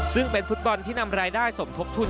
ซึ่งเป็นฟุตบอลที่นำรายได้สมทบทุน